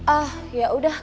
oh ya udah